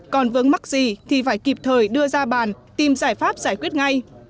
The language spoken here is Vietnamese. còn vướng mắc gì thì phải kịp thời đưa ra bàn tìm giải pháp giải quyết ngay